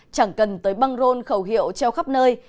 chẳng cần tới băng rôn khẩu hiệu treo khắp nơi